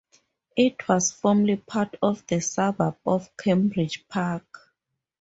It was formerly part of the suburb of Cambridge Park.